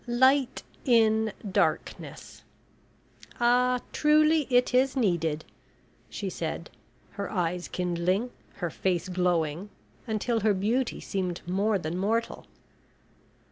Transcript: "`Light in Darkness.' Ah, truly it is needed," she said, her eyes kindling, her face glowing, until her beauty seemed more than mortal.